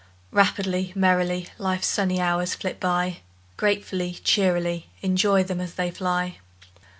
Rapidly, merrily, Life's sunny hours flit by, Gratefully, cheerily Enjoy them as they fly!